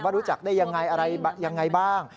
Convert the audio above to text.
รู้จักได้ยังไงอะไรยังไงบ้าง